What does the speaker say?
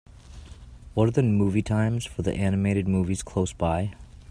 what are the movie times for animated movies close by